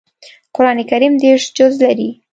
قران کریم دېرش جزء لري